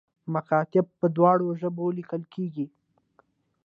مکاتیب په دواړو ژبو لیکل کیږي